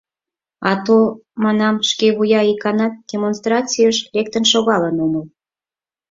Ато, — манам, — шкевуя иканат демонстрацийыш лектын шогалын омыл.